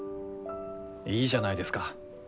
いいじゃないですか。